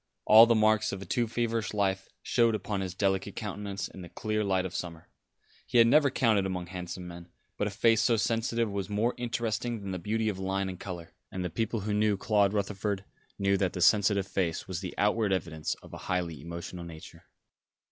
All the marks of a too feverish life showed upon his delicate countenance in the clear light of summer. He had never counted among handsome men; but a face so sensitive was more interesting than the beauty of line and colour, and people who knew Claude Rutherford knew that the sensitive face was the outward evidence of a highly emotional nature.